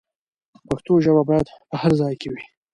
پښتو ژبه باید په هر ځای کې وي.